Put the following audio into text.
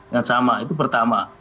yang sama itu pertama